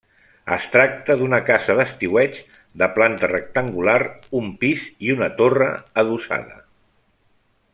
Es tracta d'una casa d'estiueig de planta rectangular, un pis i una torre adossada.